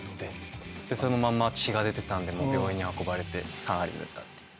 そのまんま血が出てたんで病院に運ばれて３針縫った。